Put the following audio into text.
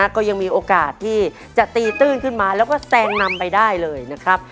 ก็ยังมีโอกาสที่จะตีตื้นขึ้นมาแล้วก็แซงนำไปได้เลยนะครับ